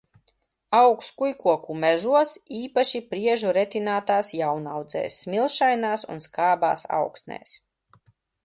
Aug skujkoku mežos, īpaši priežu retinātās jaunaudzēs, smilšainās un skābās augsnēs.